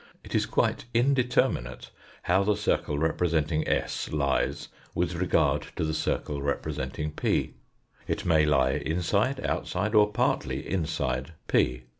It is quite inde terminate how the circle representing s lies with regard to the circle representing p. It may lie inside, outside, or partly inside P.